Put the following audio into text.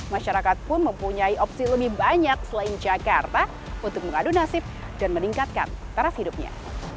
masyarakat pun mempunyai opsi lebih banyak selain jakarta untuk mengadu nasib dan meningkatkan taras hidupnya